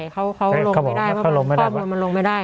เขาลงไม่ได้เขาบอกว่าข้อมูลมันลงไม่ได้